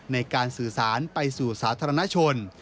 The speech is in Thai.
ในการสื่อสารไปสู่สาธารณชน